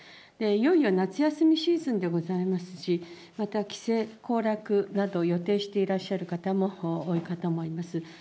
いよいよ夏休みシーズンでございますし、また帰省、行楽など予定していらっしゃる方も多いかと思います。